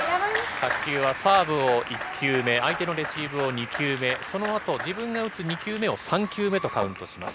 卓球はサーブを１球目、相手のレシーブを２球目、そのあと、自分が打つ２球目を３球目とカウントします。